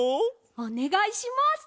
おねがいします！